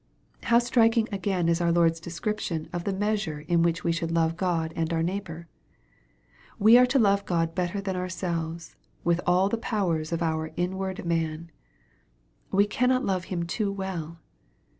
How striking again is our Lord's description of the measure in which we should love God and our neighbor ! We are to love God better than ourselves, with all the powers of our inward man. We cannot love Him too well.